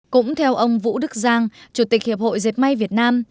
cũng theo ông vũ đức giang chủ tịch hiệp hội dệt may việt nam